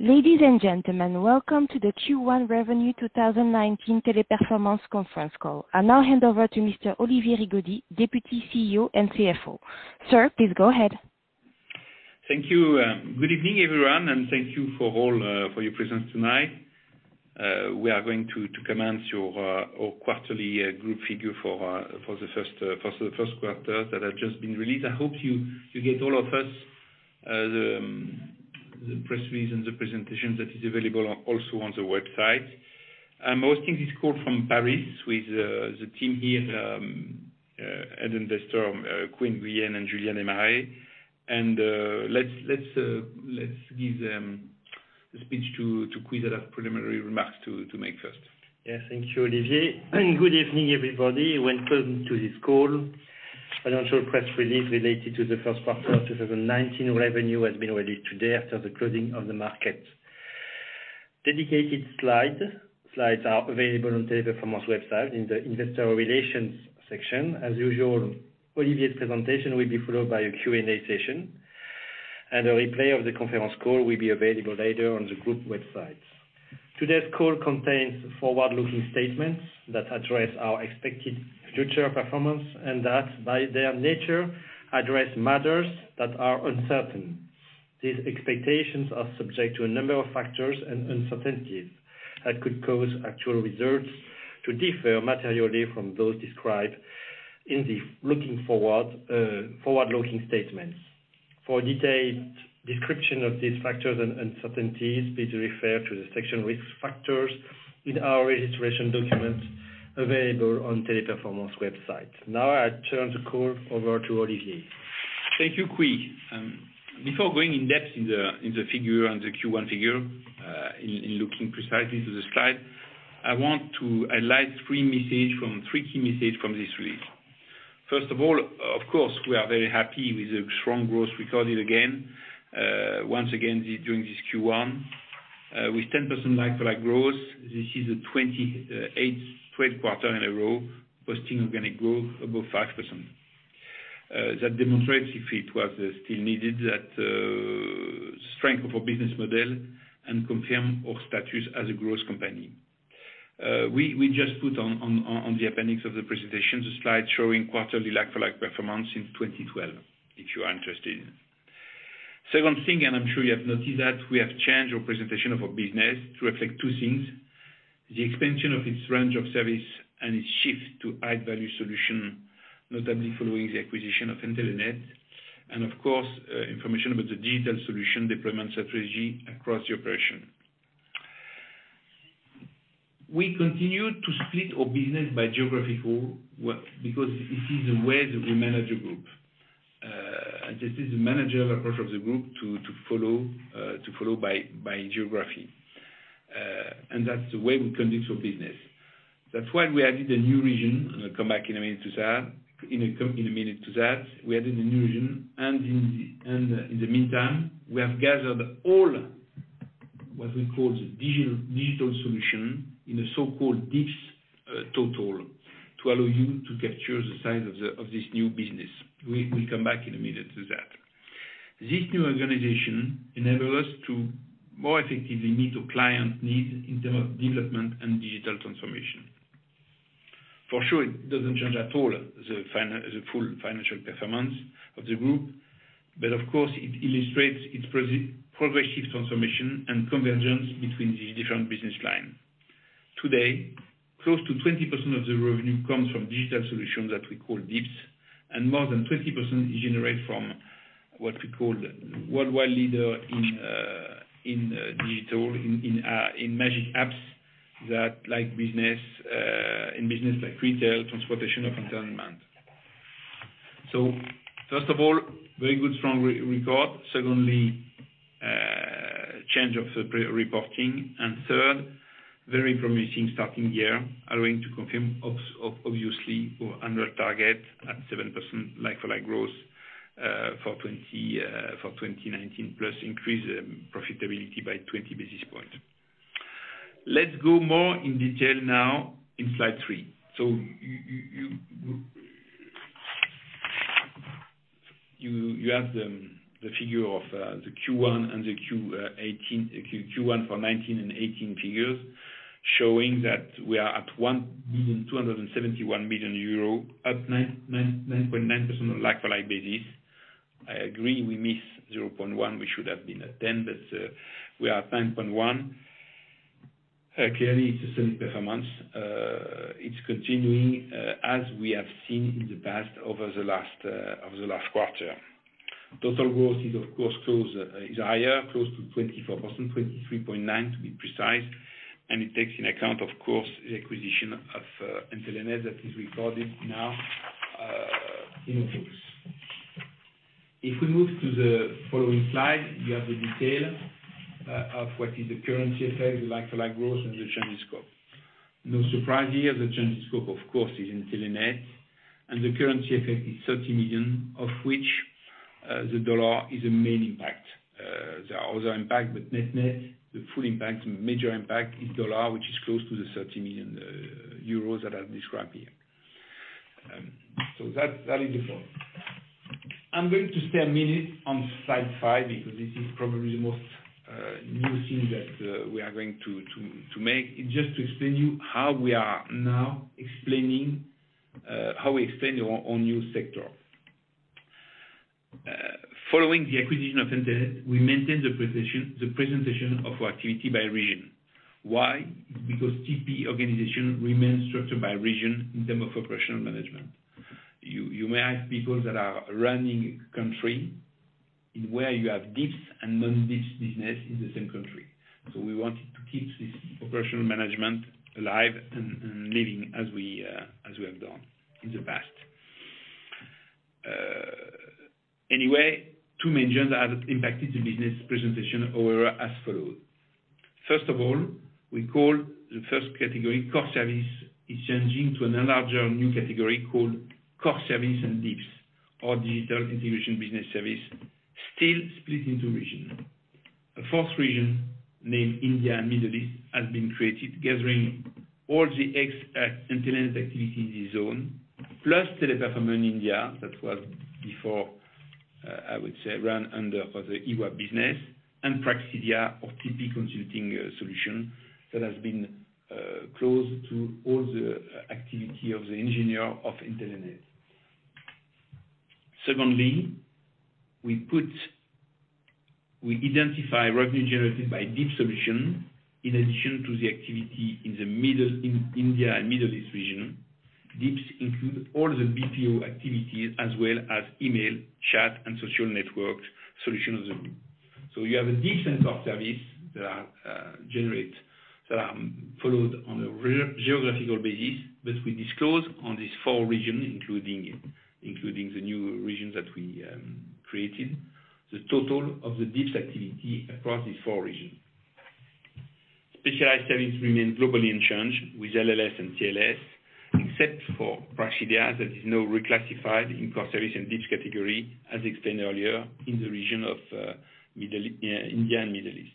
Ladies and gentlemen, welcome to the Q1 Revenue 2019 Teleperformance conference call. I now hand over to Mr. Olivier Rigaudy, Deputy CEO and CFO. Sir, please go ahead. Thank you. Good evening, everyone, thank you for your presence tonight. We are going to commence your quarterly group figure for the first quarter that has just been released. I hope you get all of us the press release and the presentation that is available also on the website. I'm hosting this call from Paris with the team here, Alain Destailleur, Quy Nguyen, and Julien Marois. Let's give the speech to Quy to have preliminary remarks to make first. Yes. Thank you, Olivier. Good evening, everybody. Welcome to this call. Financial press release related to the first quarter of 2019 revenue has been released today after the closing of the market. Dedicated slides are available on Teleperformance website in the investor relations section. As usual, Olivier's presentation will be followed by a Q&A session. A replay of the conference call will be available later on the group website. Today's call contains forward-looking statements that address our expected future performance and that, by their nature, address matters that are uncertain. These expectations are subject to a number of factors and uncertainties that could cause actual results to differ materially from those described in these forward-looking statements. For a detailed description of these factors and uncertainties, please refer to the section Risk Factors in our registration documents available on Teleperformance website. I turn the call over to Olivier. Thank you, Quy. Before going in depth in the figure and the Q1 figure, in looking precisely to the slide, I want to highlight three key messages from this release. First of all, of course, we are very happy with the strong growth recorded again. Once again, during this Q1, with 10% like-for-like growth. This is the 28th straight quarter in a row posting organic growth above 5%. That demonstrates, if it was still needed, that strength of our business model and confirm our status as a growth company. We just put on the appendix of the presentation, the slide showing quarterly like-for-like performance since 2012, if you are interested. Second thing, I'm sure you have noticed that we have changed our presentation of our business to reflect two things, the expansion of its range of service and its shift to high-value solution, notably following the acquisition of Intelenet, and of course, information about the digital solution deployment strategy across the operation. We continue to split our business by geographical, because this is the way that we manage a group. This is the management approach of the group to follow by geography. That's the way we conduct our business. That's why we added a new region, I'll come back in a minute to that. We added a new region, in the meantime, we have gathered all, what we call the digital solution, in a so-called DIBS total to allow you to capture the size of this new business. We come back in a minute to that. This new organization enable us to more effectively meet our client needs in term of development and digital transformation. It doesn't change at all the full financial performance of the group, of course, it illustrates its progressive transformation and convergence between these different business lines. Today, close to 20% of the revenue comes from digital solutions that we call DIBS, more than 20% is generated from what we call worldwide leader in digital, in mega apps in business like retail, transportation, or entertainment. First of all, very good strong record. Secondly, change of the reporting, third, very promising starting year, allowing to confirm obviously we're under target at 7% like-for-like growth for 2019, plus increase profitability by 20 basis points. Let's go more in detail now in slide three. You have the figure of the Q1 for 2019 and 2018 figures, showing that we are at 1,271 million euro, up 9.9% on a like-for-like basis. I agree we miss 0.1, we should have been at 10, we are at 9.1. Clearly, it's the same performance. It's continuing as we have seen in the past over the last quarter. Total growth is, of course, is higher, close to 24%, 23.9% to be precise, it takes into account, of course, the acquisition of Intelenet that is recorded now in full. If we move to the following slide, you have the detail of what is the currency effect, the like-for-like growth, the changes scope. No surprise here, the changes scope, of course, is Intelenet, the currency effect is 30 million, of which the US dollar is the main impact. There are other impact, net-net, the full impact, major impact is US dollar, which is close to the 30 million euros that I described here. That is the point. I'm going to spend a minute on slide five, because this is probably the most new thing that we are going to make. Just to explain to you how we are now explaining our new sector. Following the acquisition of Intelenet, we maintain the presentation of our activity by region. Why? TP organization remains structured by region in term of operational management. You may have people that are running a country where you have DIBS and non-DIBS business in the same country. We wanted to keep this operational management alive and living as we have done in the past. Anyway, two mentions that impacted the business presentation are as follows. First of all, we call the first category, core service, is changing to a larger new category called core service and DIBS, or Digital Integrated Business Services, still split into region. A fourth region, named India and Middle East, has been created, gathering all the ex-Intelenet activity in the zone, plus Teleperformance India, that was before, I would say, run under for the EWAP business and Praxidia or TP consulting solution that has been close to all the activity of the entire Intelenet. Secondly, we identify revenue generated by DIB solution in addition to the activity in India and Middle East region. DIBS include all the BPO activities as well as email, chat, and social network solutions of the group. You have different core services that are followed on a geographical basis, but we disclose on these four regions, including the new regions that we created, the total of the DIBS activity across these four regions. Specialized Services remain globally unchanged with LLS and TLS, except for Praxidia that is now reclassified in core service and DIBS category, as explained earlier, in the region of India and Middle East.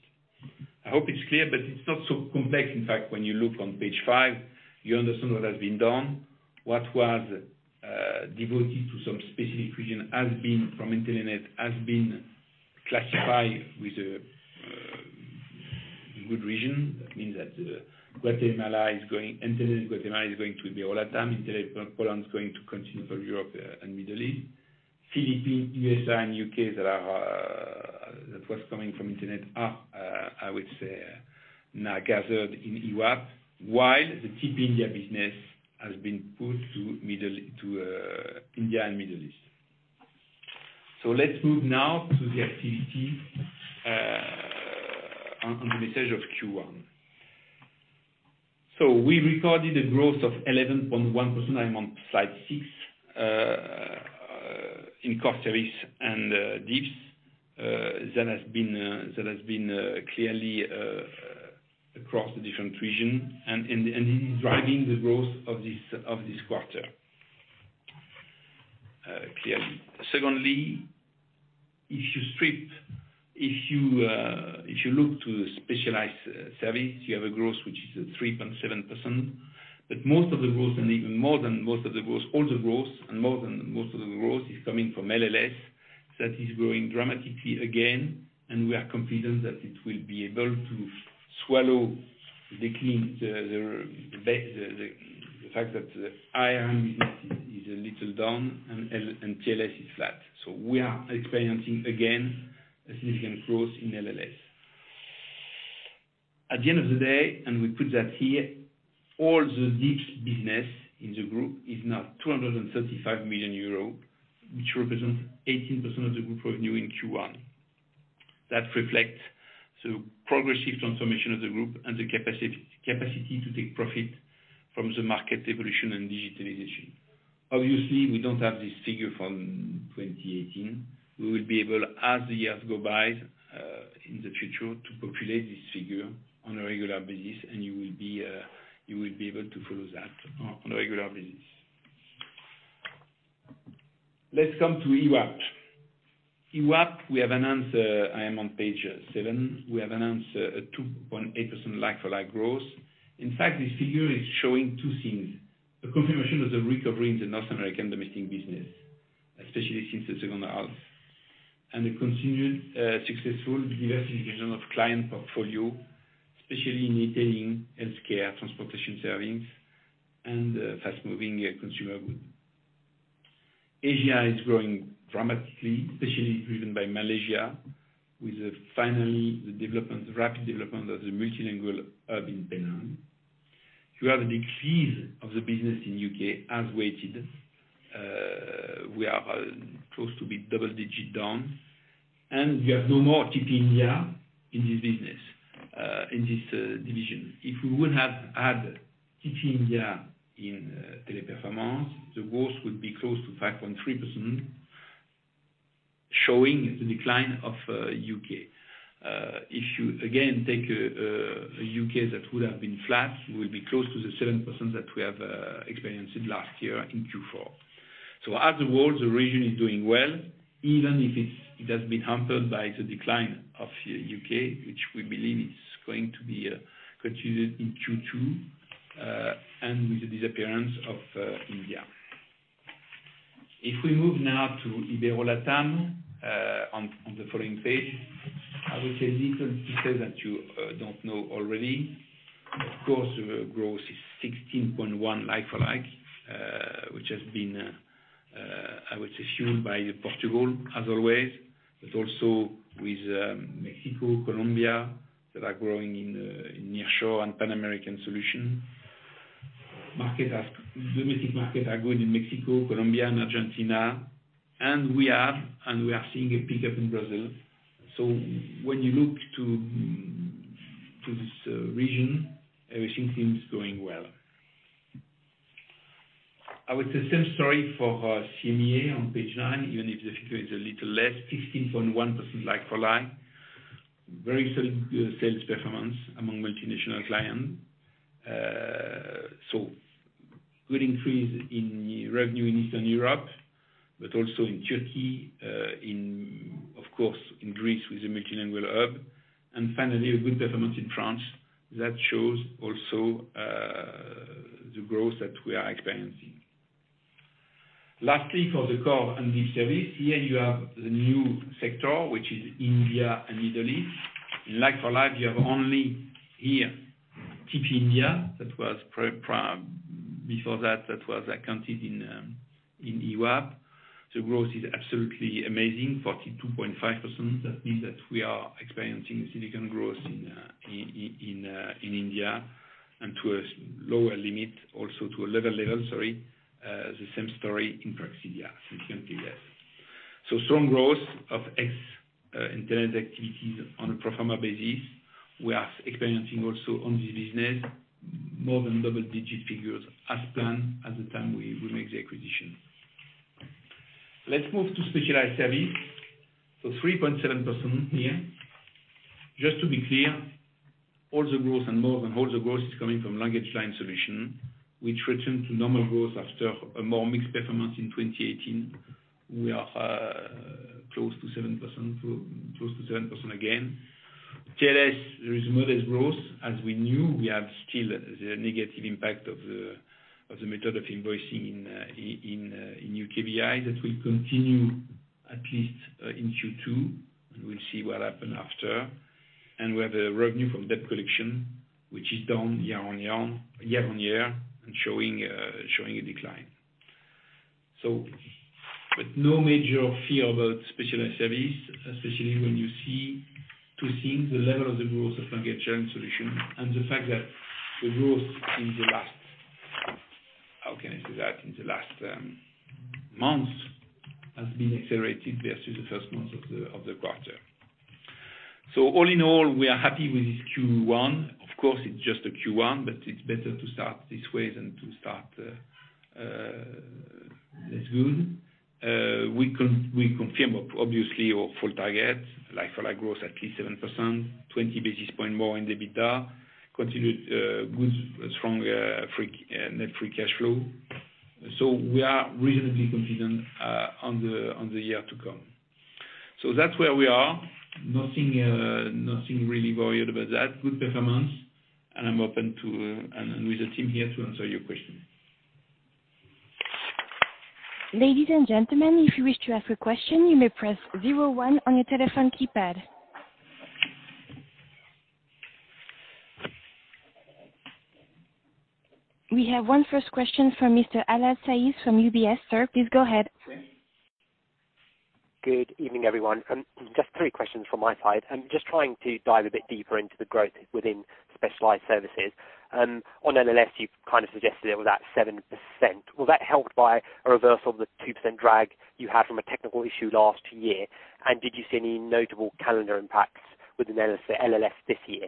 I hope it's clear, but it's not so complex. In fact, when you look on page five, you understand what has been done. What was devoted to some specific region from Intelenet has been classified with the correct region. That means that Intelenet Guatemala is going to be all the time. Intelenet Poland is going to continue for Europe and Middle East. Philippines, U.S.A., and U.K., that was coming from Intelenet are, I would say, now gathered in EWAP while the TP India business has been put to India and Middle East. Let's move now to the activity on the message of Q1. We recorded a growth of 11.1%, I'm on slide six, in core service and DIBS. That has been clearly across the different regions and it is driving the growth of this quarter, clearly. Secondly, if you strip, if you look to the Specialized Services, you have a growth which is at 3.7%. Most of the growth and even more than most of the growth, all the growth and more than most of the growth is coming from LLS. That is growing dramatically again, and we are confident that it will be able to swallow the decline, the fact that the IR business is a little down and TLS is flat. We are experiencing again a significant growth in LLS. At the end of the day, and we put that here, all the DIBS business in the group is now 235 million euros, which represents 18% of the group revenue in Q1. That reflects the progressive transformation of the group and the capacity to take profit from the market evolution and digitalization. Obviously, we don't have this figure from 2018. We will be able, as the years go by, in the future, to populate this figure on a regular basis, and you will be able to follow that on a regular basis. Let's come to EWAP. EWAP, I am on page seven, we have announced a 2.8% like-for-like growth. In fact, this figure is showing two things. The confirmation of the recovery in the North American domestic business, especially since the second half, and a continued, successful diversification of client portfolio, especially in retailing, healthcare, transportation services, and fast-moving consumer goods. Asia is growing dramatically, especially driven by Malaysia, with finally the rapid development of the multilingual hub in Penang. You have a decrease of the business in U.K. as weighted. We are close to double-digit down, and we have no more TP India in this division. If we would have had TP India in Teleperformance, the growth would be close to 5.3%, showing the decline of U.K. If you, again, take a U.K. that would have been flat, we will be close to the 7% that we have experienced in last year in Q4. As a whole, the region is doing well, even if it has been hampered by the decline of U.K., which we believe is going to be continued in Q2 and with the disappearance of India. If we move now to Ibero-LATAM on the following page, I would say little pieces that you don't know already. The growth is 16.1% like-for-like, which has been, I would say, fueled by Portugal as always, but also with Mexico, Colombia that are growing in nearshore and Pan-American solution. Domestic market are good in Mexico, Colombia, and Argentina, and we are seeing a pickup in Brazil. When you look to this region, everything seems going well. I would say same story for CEMEA on page nine, even if the figure is a little less, 16.1% like-for-like. Very solid sales performance among multinational clients. Good increase in revenue in Eastern Europe, but also in Turkey, of course in Greece with the multilingual hub. Finally, a good performance in France that shows also the growth that we are experiencing. Lastly, for the core and DIBS service, here you have the new sector, which is India and Middle East. In like-for-like, you have only here TP India. Before that was accounted in EWAP. The growth is absolutely amazing, 42.5%. That means that we are experiencing significant growth in India and to a lower limit also to a lower level, sorry, the same story in Praxidia significantly less. Strong growth of ex-Intelenet activities on a pro forma basis. We are experiencing also on this business more than double-digit figures as planned at the time we make the acquisition. Let's move to Specialized Services. 3.7% here. Just to be clear, all the growth and more than all the growth is coming from LanguageLine Solutions, which return to normal growth after a more mixed performance in 2018. We are close to 7% again. TLS, there is modest growth as we knew. We have still the negative impact of the method of invoicing in U.K. BI that will continue at least in Q2, and we'll see what happens after. We have a revenue from debt collection, which is down year-on-year and showing a decline. No major fear about Specialized Services, especially when you see to seeing the level of the growth of LanguageLine Solutions and the fact that the growth in the last, how can I say that? In the last months has been accelerated versus the first month of the quarter. All in all, we are happy with this Q1. Of course, it's just a Q1, but it's better to start this way than to start, that's good. We confirm, obviously, our full target like-for-like growth at least 7%, 20 basis point more in the EBITDA, continued good strong net free cash flow. We are reasonably confident on the year to come. That's where we are. Nothing really worried about that. Good performance. I'm open with the team here to answer your question. Ladies and gentlemen, if you wish to ask a question, you may press 01 on your telephone keypad. We have one first question from Mr. Allard Says from UBS. Sir, please go ahead. Good evening, everyone. Just three questions from my side, just trying to dive a bit deeper into the growth within Specialized Services. On LLS, you kind of suggested it was at 7%. Was that helped by a reversal of the 2% drag you had from a technical issue last year? Did you see any notable calendar impacts within LLS this year?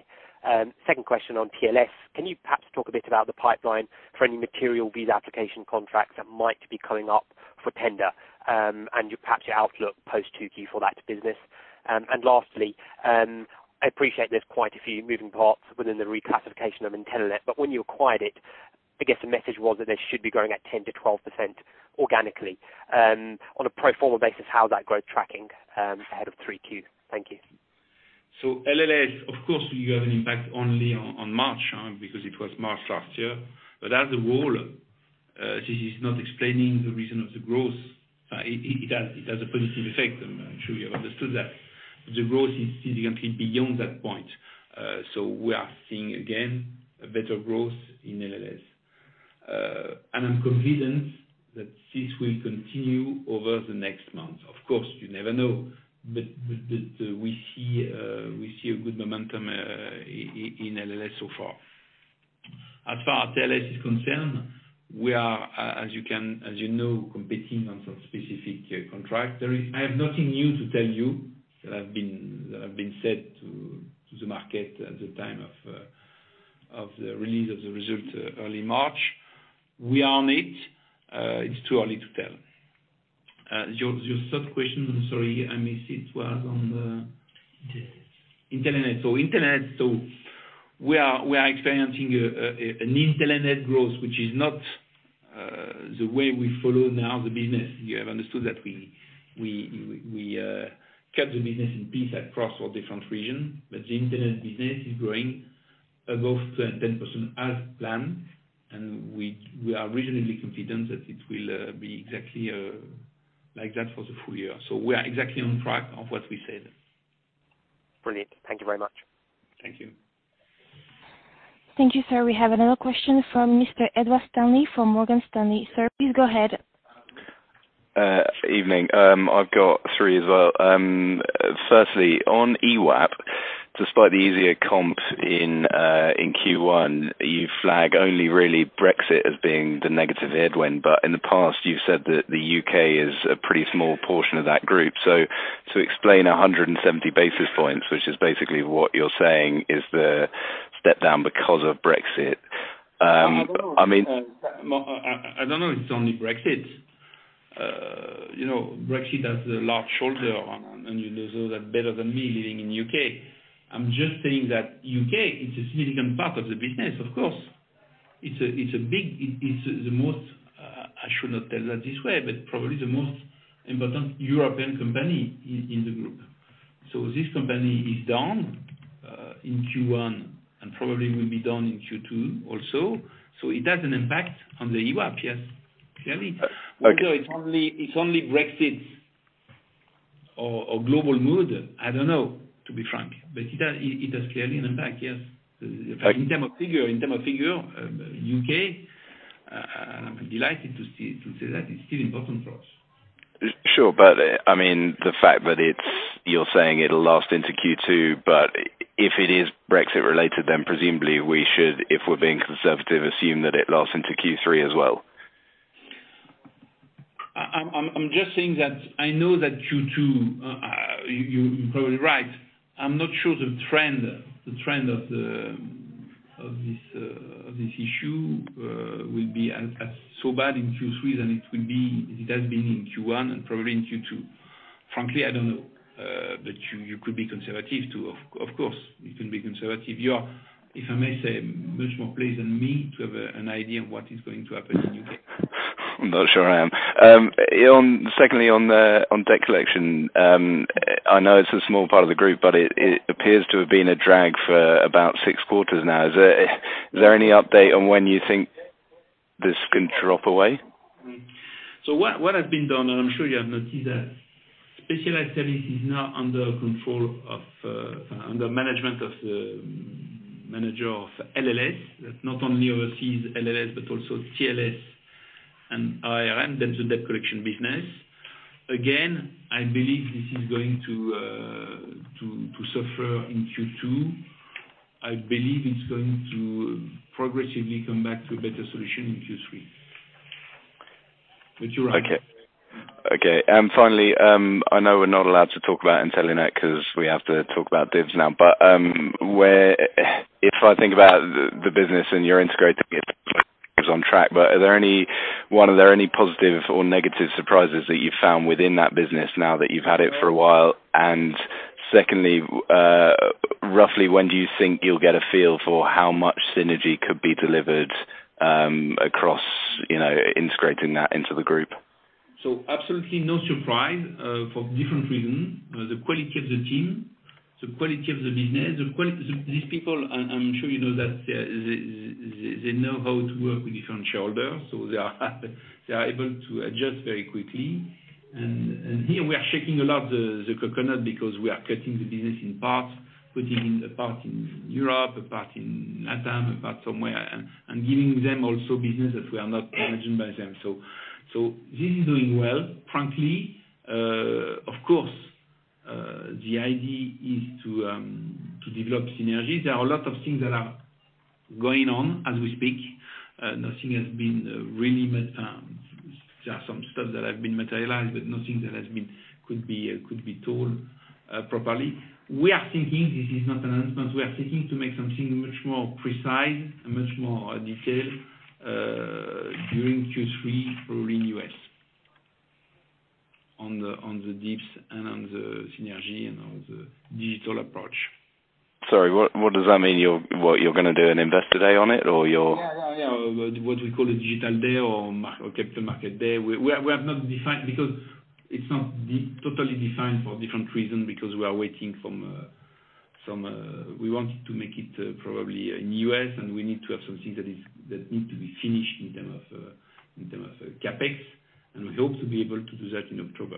Second question on TLScontact, can you perhaps talk a bit about the pipeline for any material visa application contracts that might be coming up for tender, and your perhaps your outlook post 2Q for that business? Lastly, I appreciate there's quite a few moving parts within the reclassification of Intelenet, but when you acquired it, I guess the message was that they should be growing at 10%-12% organically. On a pro forma basis, how's that growth tracking ahead of 3Q? Thank you. LLS, of course, you have an impact only on March, because it was March last year. As a whole, this is not explaining the reason of the growth. It has a positive effect. I'm sure you have understood that. The growth is significantly beyond that point. We are seeing, again, a better growth in LLS. I'm confident that this will continue over the next month. Of course, you never know, but we see a good momentum in LLS so far. As far as TLS is concerned, we are, as you know, competing on some specific contract. I have nothing new to tell you that have been said to the market at the time of the release of the result early March. We are on it. It's too early to tell. Your third question, I'm sorry, I missed it, was on the- Intelenet. Intelenet. Intelenet, we are experiencing an Intelenet growth which is not the way we follow now the business. You have understood that we cut the business in piece across all different region, but the Intelenet business is growing above 10% as planned, and we are reasonably confident that it will be exactly like that for the full year. We are exactly on track of what we said. Brilliant. Thank you very much. Thank you. Thank you, sir. We have another question from Mr. Edward Stanley from Morgan Stanley. Sir, please go ahead. Evening. I've got three as well. Firstly, on EWAP, despite the easier comps in Q1, you flag only really Brexit as being the negative headwind. In the past, you've said that the U.K. is a pretty small portion of that group. Explain 170 basis points, which is basically what you're saying is the step down because of Brexit. I don't know it's only Brexit. Brexit has a large shoulder, and you know that better than me living in U.K. I'm just saying that U.K., it's a significant part of the business, of course. It's the most, I should not tell that this way, but probably the most important European company in the group. This company is down in Q1 and probably will be down in Q2 also. It has an impact on the EWAP, yes. Clearly. Okay. Whether it's only Brexit or global mood, I don't know, to be frank. It has clearly an impact, yes. In terms of figure, U.K., I'm delighted to say that it's still important for us. Sure. The fact that you're saying it'll last into Q2, but if it is Brexit related, then presumably we should, if we're being conservative, assume that it lasts into Q3 as well. I'm just saying that I know that Q2, you're probably right. I'm not sure the trend of this issue will be as so bad in Q3 than it has been in Q1 and probably in Q2. Frankly, I don't know. You could be conservative too, of course. You can be conservative. You are, if I may say, much more pleased than me to have an idea of what is going to happen in U.K. I'm not sure I am. Secondly, on debt collection, I know it's a small part of the group, but it appears to have been a drag for about six quarters now. Is there any update on when you think this can drop away? What has been done, and I'm sure you have noticed that Specialized Services is now under management of the manager of LLS. That not only overseas LLS, but also TLS and IR, that's the debt collection business. Again, I believe this is going to suffer in Q2. I believe it's going to progressively come back to a better solution in Q3. You're right. Okay. Finally, I know we're not allowed to talk about Intelenet because we have to talk about DIBS now. If I think about the business and your integrator is on track. Are there any positive or negative surprises that you've found within that business now that you've had it for a while? Secondly, roughly when do you think you'll get a feel for how much synergy could be delivered across integrating that into the group? Absolutely no surprise, for different reason. The quality of the team, the quality of the business, these people, I am sure you know that they know how to work with different shoulder. They are able to adjust very quickly. Here we are shaking a lot the coconut because we are cutting the business in parts, putting in a part in Europe, a part in LATAM, a part somewhere. Giving them also business that we are not imagined by them. This is doing well, frankly. Of course, the idea is to develop synergies. There are a lot of things that are going on as we speak. There are some stuff that have been materialized, but nothing that could be told properly. We are thinking, this is not announcement, we are thinking to make something much more precise and much more detailed during Q3, probably in U.S., on the DIBS and on the synergy and on the digital approach. Sorry, what does that mean? You are going to do an investor day on it? Or? Yeah. What we call a digital day or capital market day. We have not defined because it is not totally defined for different reason because we wanted to make it probably in U.S., and we need to have some things that need to be finished in term of CapEx, we hope to be able to do that in October.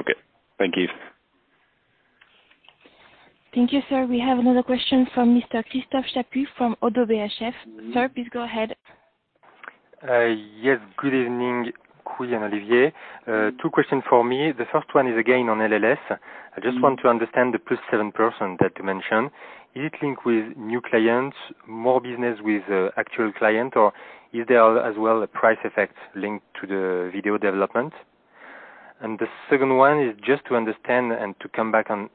Okay. Thank you. Thank you, sir. We have another question from Mr. Christophe Chaput from Oddo BHF. Sir, please go ahead. Yes. Good evening, Quy and Olivier. Two question for me. The first one is again on LLS. I just want to understand the plus 7% that you mentioned. Is it linked with new clients, more business with actual client, or is there as well a price effect linked to the video development? The second one is just to understand and to come back on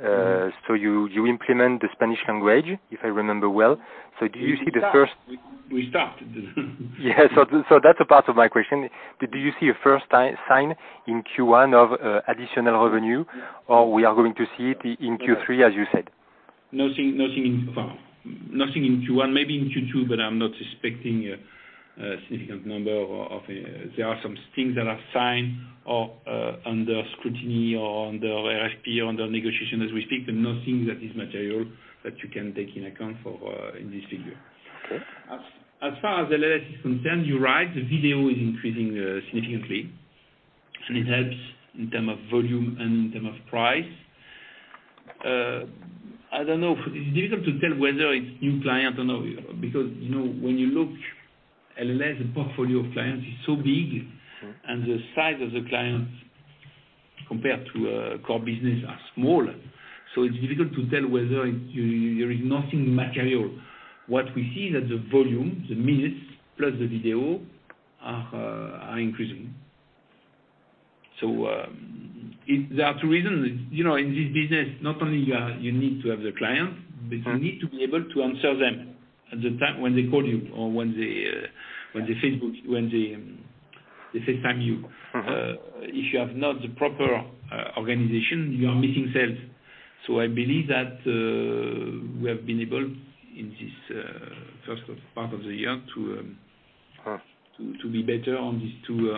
Intelenet. You implement the Spanish language, if I remember well. Do you see the first. We stopped. Yeah. That's a part of my question. Do you see a first sign in Q1 of additional revenue, or we are going to see it in Q3, as you said? Nothing in Q1, maybe in Q2, but I'm not expecting a significant number. There are some things that are signed or under scrutiny or under RFP, under negotiation as we speak, but nothing that is material that you can take into account in this figure. Okay. As far as LLS is concerned, you're right, the video is increasing significantly. It helps in terms of volume and in terms of price. I don't know. It's difficult to tell whether it's new client or not. When you look LLS, the portfolio of clients is so big. Sure The size of the clients compared to core business are smaller. It's difficult to tell whether There is nothing material. What we see that the volume, the minutes plus the video, are increasing. There are two reasons. In this business, not only you need to have the client- You need to be able to answer them at the time when they call you or when they FaceTime you. If you have not the proper organization, you are missing sales. I believe that we have been able, in this first part of the year to- To be better on these two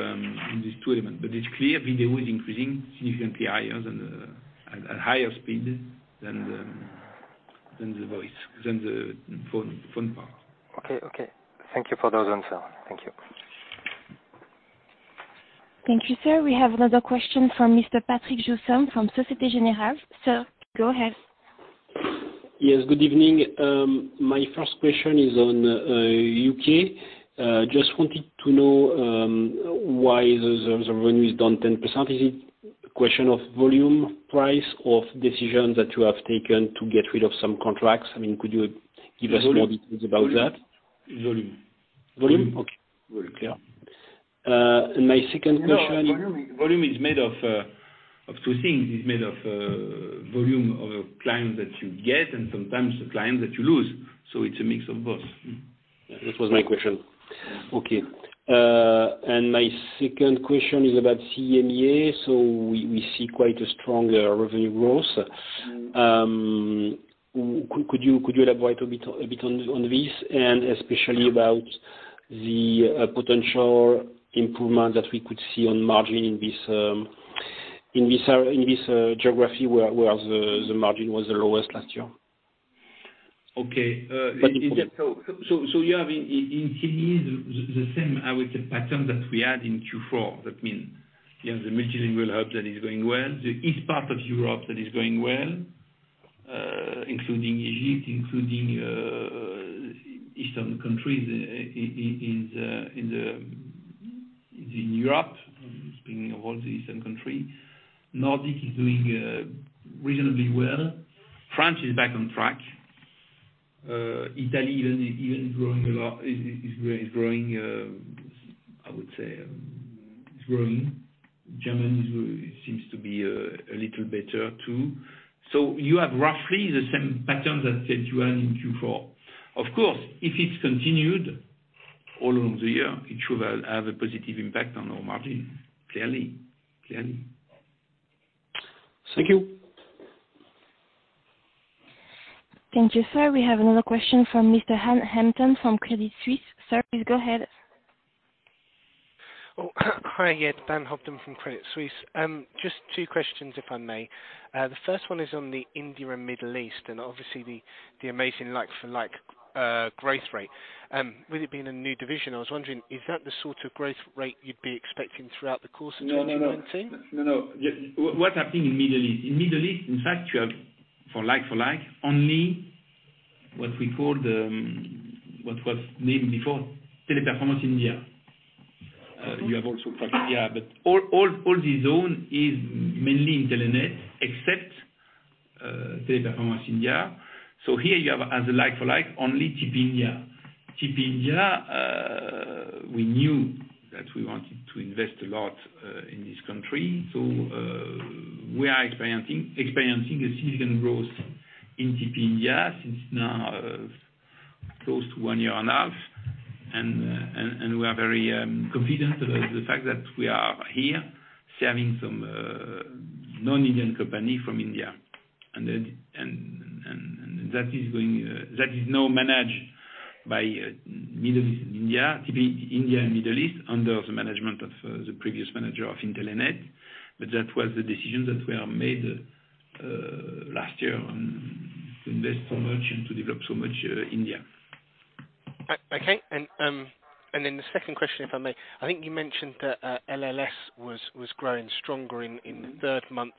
elements. It's clear video is increasing significantly, at higher speed than the voice, than the phone part. Okay. Thank you for those answers. Thank you. Thank you, sir. We have another question from Mr. Patrick Jousseaume from Société Générale. Sir, go ahead. Yes, good evening. My first question is on U.K. Just wanted to know why the revenue is down 10%. Is it a question of volume, price, or decisions that you have taken to get rid of some contracts? Could you give us more details about that? Volume. Volume? Okay. Very clear. My second question. No, volume is made of two things. It is made of volume of a client that you get and sometimes the client that you lose. It's a mix of both. That was my question. Okay. My second question is about EMEA, we see quite a strong revenue growth. Could you elaborate a bit on this, and especially about the potential improvement that we could see on margin in this geography, where the margin was the lowest last year? Okay. You have in EMEA, the same, I would say, pattern that we had in Q4. That means you have the multilingual hub that is going well, the east part of Europe that is going well, including Egypt, including eastern countries in Europe. Speaking of all the eastern countries. Nordic is doing reasonably well. France is back on track. Italy even is growing a lot. I would say, is growing. Germany seems to be a little better, too. You have roughly the same pattern that you had in Q4. Of course, if it's continued all along the year, it should have a positive impact on our margin. Clearly. Thank you. Thank you, sir. We have another question from Mr. Dan Hampton from Credit Suisse. Sir, please go ahead. Oh, hi. Yeah, Dan Hobden from Credit Suisse. Just two questions, if I may. The first one is on the India and Middle East, and obviously the amazing like-for-like growth rate. With it being a new division, I was wondering, is that the sort of growth rate you'd be expecting throughout the course of 2019? No. What's happening in Middle East? In Middle East, in fact, you have like-for-like, only what we called, what was named before Teleperformance India. You have also India. All this zone is mainly Intelenet except Teleperformance India. Here you have as a like-for-like only TP India. TP India, we knew that we wanted to invest a lot in this country. We are experiencing a significant growth in TP India since now close to one year and half. We are very confident about the fact that we are here serving some non-Indian company from India. That is now managed by Middle East, India, TP India and Middle East under the management of the previous manager of Intelenet. That was the decision that we have made last year, on to invest so much and to develop so much India. Okay. The second question, if I may. I think you mentioned that LLS was growing stronger in the third month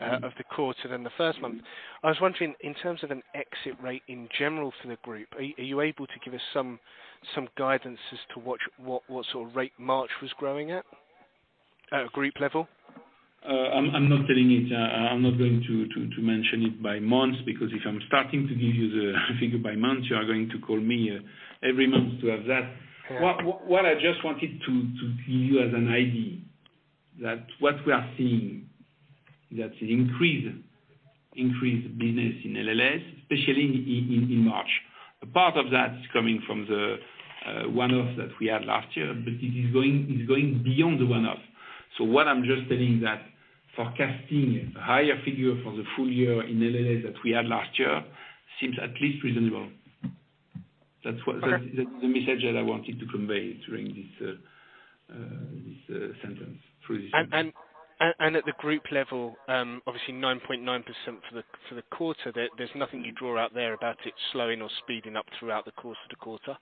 of the quarter than the first month. I was wondering, in terms of an exit rate in general for the group, are you able to give us some guidance as to what sort of rate March was growing at a group level? I'm not telling it. I'm not going to mention it by months, because if I'm starting to give you the figure by months, you are going to call me every month to have that. What I just wanted to give you as an idea, that what we are seeing, that increased business in LLS, especially in March. A part of that is coming from the one-off that we had last year, but it is going beyond the one-off. What I'm just saying that forecasting a higher figure for the full year in LLS than we had last year, seems at least reasonable. That's the message that I wanted to convey during this sentence. At the group level, obviously 9.9% for the quarter, there's nothing you draw out there about it slowing or speeding up throughout the course of the quarter?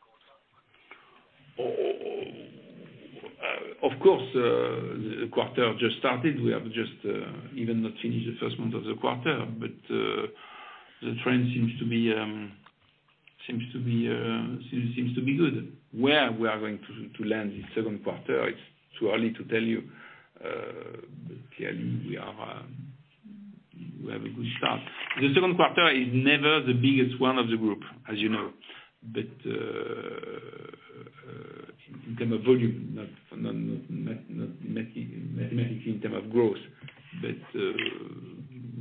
Of course, the quarter just started. We have just even not finished the first month of the quarter. The trend seems to be good. Where we are going to land this second quarter, it's too early to tell you. Clearly we have a good start. The second quarter is never the biggest one of the group, as you know. In term of volume, not mathematically in term of growth.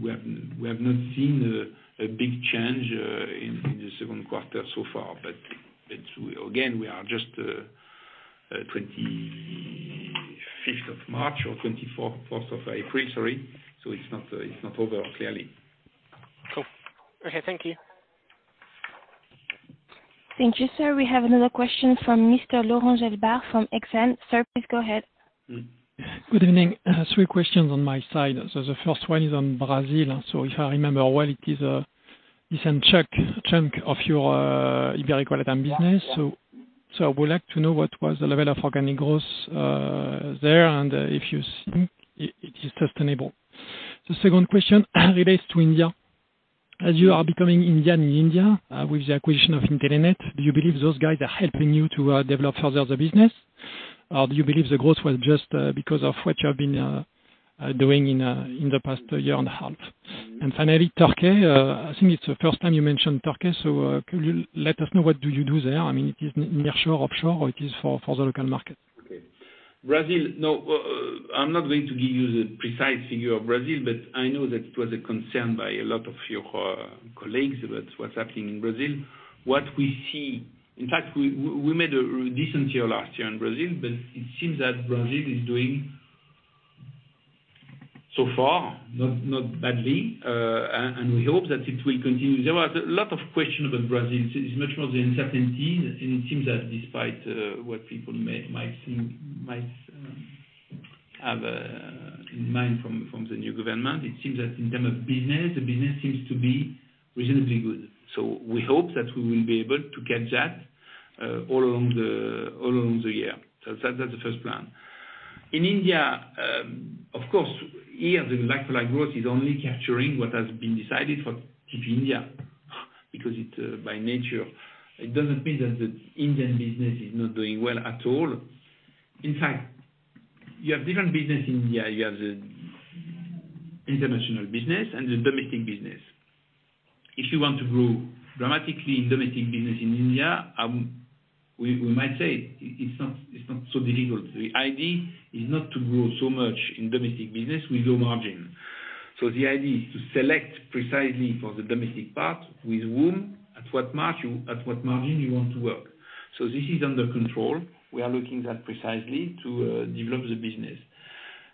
We have not seen a big change in the second quarter so far. Again, we are just 25th of March or 24th of April, sorry, so it's not over, clearly. Cool. Okay, thank you. Thank you, sir. We have another question from Mr. Laurent Gélébart from Exane. Sir, please go ahead. Good evening. Three questions on my side. The first one is on Brazil. If I remember well, it is a decent chunk of your Ibero-LATAM business. Yeah. I would like to know what was the level of organic growth there, and if you think it is sustainable. The second question relates to India. As you are becoming Indian in India, with the acquisition of Intelenet, do you believe those guys are helping you to develop further the business? Do you believe the growth was just because of what you have been doing in the past year and a half? Finally, Turkey, I think it's the first time you mentioned Turkey, could you let us know what do you do there? It is nearshore, offshore, or it is for the local market? Brazil, I'm not going to give you the precise figure of Brazil, I know that it was a concern by a lot of your colleagues about what's happening in Brazil. In fact, we made a decent year last year in Brazil, it seems that Brazil is doing so far not badly, and we hope that it will continue. There was a lot of question about Brazil, it's much more the uncertainties, and it seems that despite what people might have in mind from the new government, it seems that in term of business, the business seems to be reasonably good. We hope that we will be able to get that all along the year. That's the first plan. In India, of course, here the like-for-like growth is only capturing what has been decided for India, because it, by nature, it doesn't mean that the Indian business is not doing well at all. In fact, you have different business in India. You have the international business and the domestic business. If you want to grow dramatically in domestic business in India, we might say it's not so difficult. The idea is not to grow so much in domestic business with low margin. The idea is to select precisely for the domestic part with whom, at what margin you want to work. This is under control. We are looking that precisely to develop the business.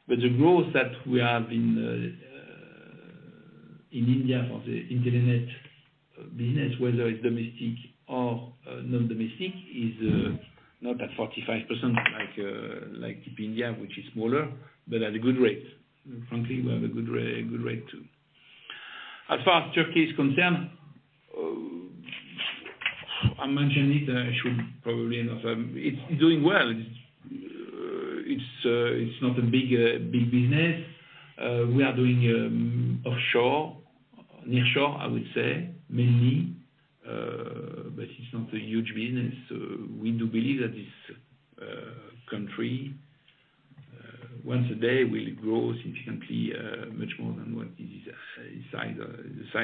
The growth that we have in India for the Intelenet business, whether it's domestic or non-domestic, is not at 45% like India, which is smaller, but at a good rate. Frankly, we have a good rate, too. As far as Turkey is concerned, I mention it, I should probably not. It's doing well. It's not a big business. We are doing offshore, nearshore, I would say, mainly. It's not a huge business. We do believe that this country, one day will grow significantly, much more than what is the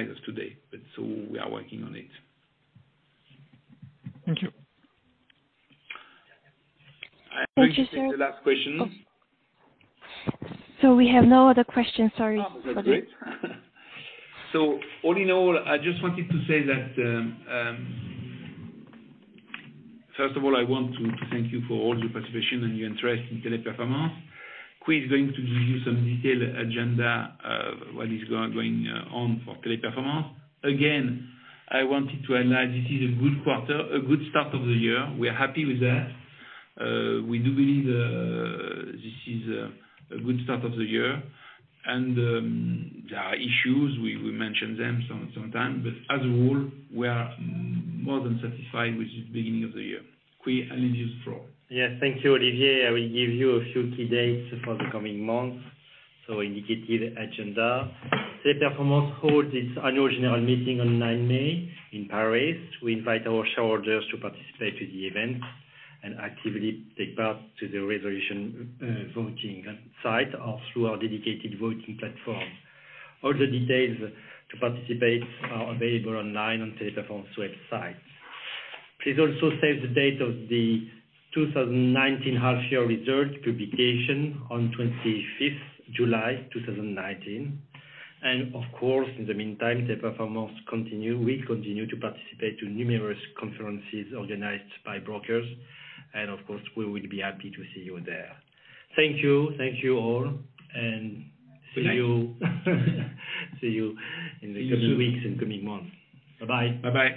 size today. We are working on it. Thank you. I think this is the last question. We have no other question, sorry for that. Oh, that's great. All in all, I just wanted to say that, first of all, I want to thank you for all your participation and your interest in Teleperformance. Quy is going to give you some detailed agenda of what is going on for Teleperformance. Again, I wanted to highlight this is a good quarter, a good start of the year. We are happy with that. We do believe this is a good start of the year. There are issues, we mentioned them sometimes, but as a whole, we are more than satisfied with the beginning of the year. Quy, anything to add? Yes, thank you, Olivier. I will give you a few key dates for the coming month. Indicative agenda. Teleperformance holds its annual general meeting on ninth May in Paris. We invite our shareholders to participate to the event and actively take part to the resolution voting site or through our dedicated voting platform. All the details to participate are available online on Teleperformance website. Please also save the date of the 2019 half-year results publication on 25th July 2019. Of course, in the meantime, Teleperformance continue. We continue to participate to numerous conferences organized by brokers, and of course, we will be happy to see you there. Thank you. Thank you all, and see you in a few weeks and coming months. Bye-bye. Bye-bye.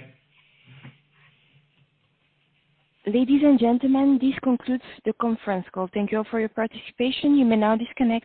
Ladies and gentlemen, this concludes the conference call. Thank you all for your participation. You may now disconnect your